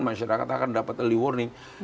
masyarakat akan dapat early warning